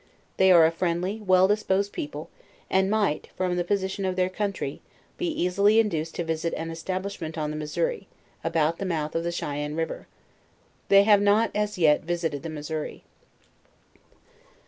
They are a friendly, well disposed people, and might, from the position of their country, be easily induced to visit an establishment on the Missouri, about the rnouth of Chyanne river. They have not, as yet, visited the Missouri.